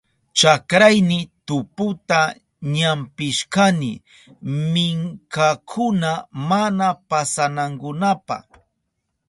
Chakrayni tuputa ñampishkani minkakuna mana pasanankunapa.